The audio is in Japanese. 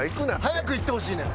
早く行ってほしいねん。